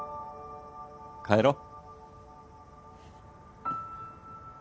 帰ろ。